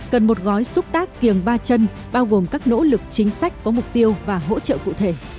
cần một gói xúc tác kiềng ba chân bao gồm các nỗ lực chính sách có mục tiêu và hỗ trợ cụ thể